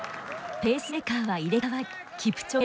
ペースメーカーは入れ代わりキプチョゲ